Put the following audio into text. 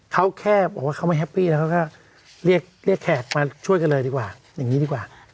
เขาแค่เรียกแขกมาช่วยกันเลยดีกว่าอย่างนี้ดีกว่า